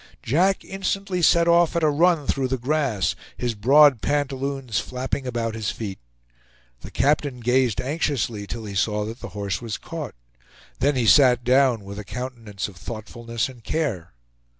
Jack instantly set off at a run through the grass, his broad pantaloons flapping about his feet. The captain gazed anxiously till he saw that the horse was caught; then he sat down, with a countenance of thoughtfulness and care.